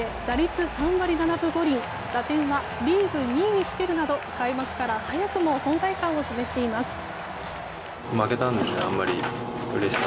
打点はリーグ２位につけるなど開幕から早くも存在感を示しています。